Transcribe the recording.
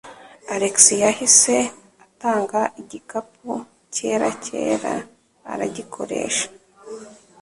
Alex yahise atanga igikapu cyera cyera aragikoresha.